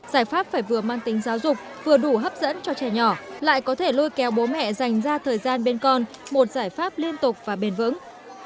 giải pháp phải vừa mang tính giáo dục vừa đủ hấp dẫn cho trẻ nhỏ lại có thể lôi kéo bố mẹ dành ra thời gian bên con một giải pháp liên tục và bền vững